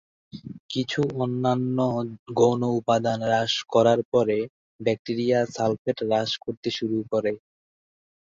কিছু অন্যান্য গৌণ উপাদান হ্রাস করার পরে, ব্যাকটিরিয়া সালফেট হ্রাস করতে শুরু করে।